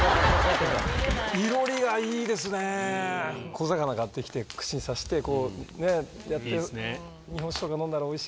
小魚買ってきて串に刺してこうやって。